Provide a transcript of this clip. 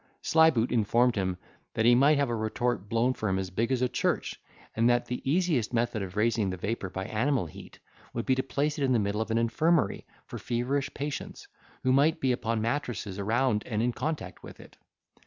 Slyboot informed him, that he might have a retort blown for him as big as a church: and, that the easiest method of raising the vapour by animal heat, would be to place it in the middle of an infirmary for feverish patients, who might be upon mattresses around and in contact with it.